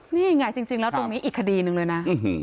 นี่ไงจริงแล้วตรงนี้อีกคดีหนึ่งเลยนะ